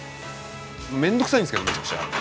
めんどくさいんですけどめちゃくちゃ。